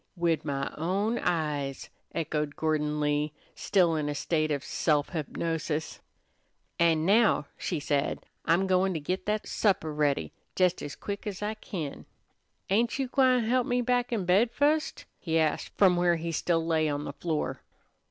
"Wid my own eyes," echoed Gordon Lee, still in a state of self hypnosis. "An' now," she said, "I'm goin' to git that supper ready jes as quick ez I kin." "Ain't you gwine help me back in bed fust?" he asked from where he still lay on the floor.